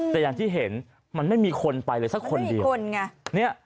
แต่อย่างที่เห็นมันไม่มีคนไปเลยสักคนเดียวคนไง